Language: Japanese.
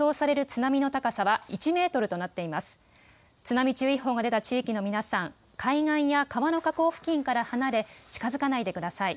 津波注意報が出た地域の皆さん、海岸や川の河口付近から離れ近づかないでください。